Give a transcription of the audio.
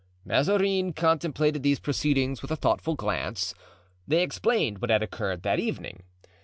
Mazarin contemplated these proceedings with a thoughtful glance. They explained what had occurred that evening.